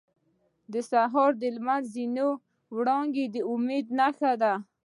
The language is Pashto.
• د سهار د لمر زرینې وړانګې د امید نښه ده.